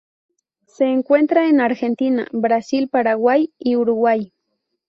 Se encuentra en Argentina, Brasil, Paraguay, y Uruguay.